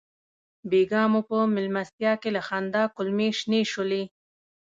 بېګا مو په مېلمستیا کې له خندا کولمې شنې شولې.